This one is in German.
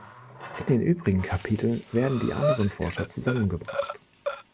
In den übrigen Kapiteln werden die anderen Forscher zusammengebracht.